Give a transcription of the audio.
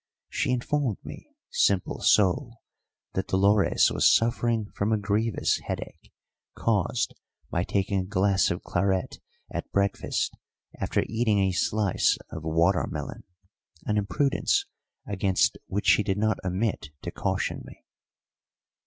She informed me, simple soul! that Dolores was suffering from a grievous headache caused by taking a glass of claret at breakfast after eating a slice of water melon, an imprudence against which she did not omit to caution me.